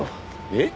えっ？